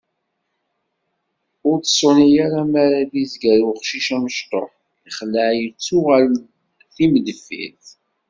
Ur tṣuni ara mi ara d-izger uqcic amecṭuḥ, ixelleɛ yettuɣal-d d timdeffirt.